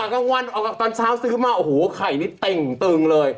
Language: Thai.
ไม่ได้อ่ะลงวันออกกับตอนเช้าซื้อมาโอ้โหไข่นี่เต้งตึงเลย